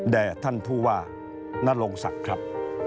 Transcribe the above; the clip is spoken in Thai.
แด่ท่านธุว่านรงสัตว์ครับ